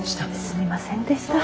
すみませんでした。